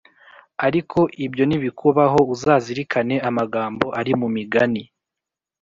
Ariko ibyo nibikubaho uzazirikane amagambo ari mu Migani